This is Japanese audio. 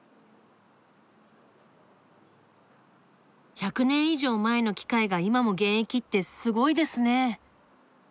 １００年以上前の機械が今も現役ってすごいですね。